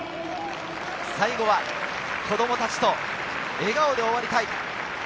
最後は子供たちと笑顔で終わりたい。